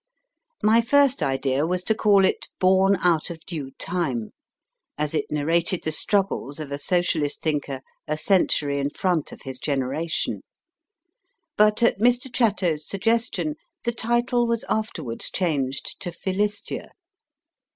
My first idea was to call it Born out of Due Time, as it narrated the struggles of a Socialist thinker a century in front of his generation ; but, at Mr. Chatto s suggestion, the title was afterwards changed to * Philistia.